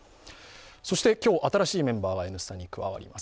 今日新しいメンバーが「Ｎスタ」に加わります。